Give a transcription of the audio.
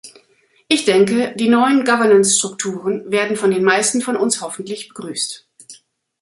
Ich denke, die neuen Governance-Strukturen werden von den meisten von uns hoffentlich begrüßt.